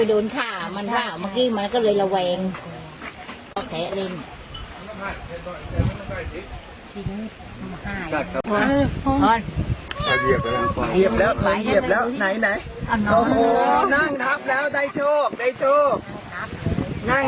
โดยมากสุดโดยมีพวกเค้าสร้างพลังเนื้อของนักประวัติและผู้หญิง